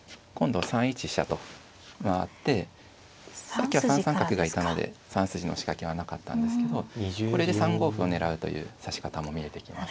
さっきは３三角いたので３筋の仕掛けはなかったんですけどこれで３五歩を狙うという指し方も見えてきます。